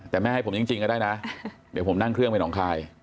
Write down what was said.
แต่แม่ให้ผมจริงก็ได้นะเดี๋ยวผมนั่งเครื่องไปหนองคาย